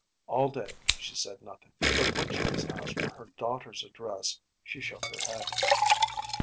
All day she said nothing; but when she was asked for her daughter’s address she shook her head.